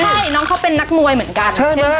ใช่น้องเขาเป็นนักมวยเหมือนกัน